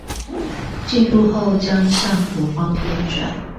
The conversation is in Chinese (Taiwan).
進入後將向何方偏轉？